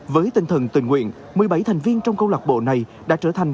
với tinh thần tình nguyện một mươi bảy thành viên trong câu lạc bộ này đã trở thành